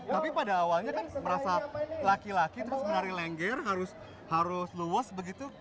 tapi pada awalnya kan merasa laki laki terus menari lengger harus luwas begitu